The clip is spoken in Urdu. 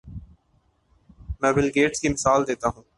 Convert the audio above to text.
میں بل گیٹس کی مثال دیتا ہوں۔